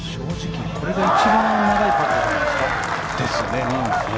これが一番長いパットじゃないですか。